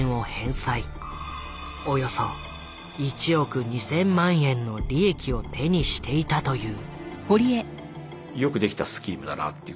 およそ１億２，０００万円の利益を手にしていたという。